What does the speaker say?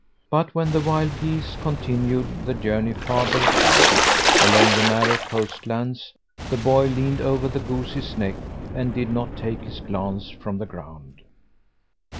But when the wild geese continued the journey farther south, along the narrow coast lands, the boy leaned over the goose's neck and did not take his glance from the ground.